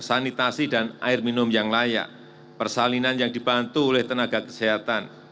sanitasi dan air minum yang layak persalinan yang dibantu oleh tenaga kesehatan